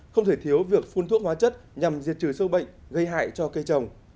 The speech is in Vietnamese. không thể thiếu việc phun thuốc hóa chất nhằm diệt trừ sâu bệnh gây hại cho cây trồng